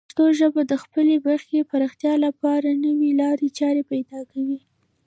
پښتو ژبه د خپلې برخې پراختیا لپاره نوې لارې چارې پیدا کوي.